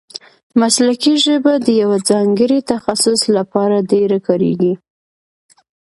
مسلکي ژبه د یوه ځانګړي تخصص له پاره ډېره کاریږي.